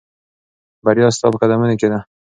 بریا ستا په قدمونو کې ده.